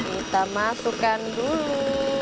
nah kita masukkan dulu